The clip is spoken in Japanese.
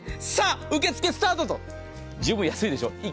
受付スタートと、十分安いでしょ。